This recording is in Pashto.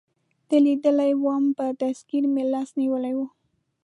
دې لیدلی ووم، پر دستګیر مې لاس نیولی و.